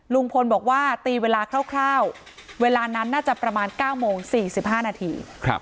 ลุงพลบอกว่าตีเวลาคร่าวเวลานั้นน่าจะประมาณ๙โมง๔๕นาที